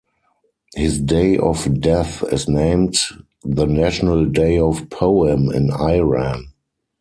His day of death is named the "national day of poem" in Iran.